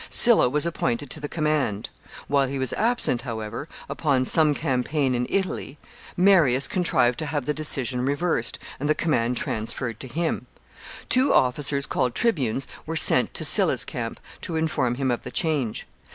Sylla was appointed to the command. While he was absent, however, upon some campaign in Italy, Marius contrived to have the decision reversed, and the command transferred to him Two officers, called tribunes, were sent to Sylla's camp to inform him of the change.